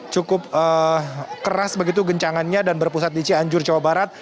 cukup keras begitu gencangannya dan berpusat di cianjur jawa barat